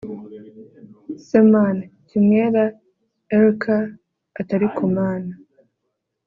se mn kimwera erick ati ariko mn…